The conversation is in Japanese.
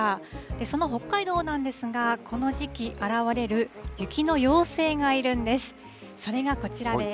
その北海道なんですが、この時期、現れる雪の妖精がいるんです。